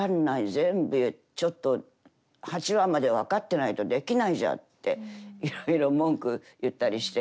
全部ちょっと８話まで分かってないとできないじゃんっていろいろ文句言ったりして。